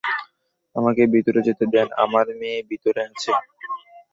আমাকে ভিতরে যেতে দেন, আমার মেয়ে ভিতরে আছে।